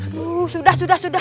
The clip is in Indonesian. aduh sudah sudah sudah